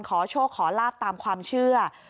ขอโชคขอลาบตามความเชื่อ